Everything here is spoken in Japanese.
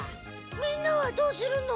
みんなはどうするの？